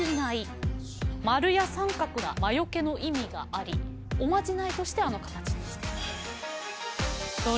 丸や三角が魔よけの意味がありおまじないとしてあの形にしている。